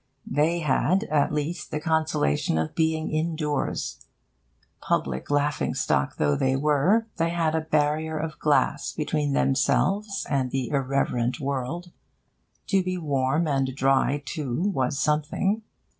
They had, at least, the consolation of being indoors. Public laughing stock though they were, they had a barrier of glass between themselves and the irreverent world. To be warm and dry, too, was something.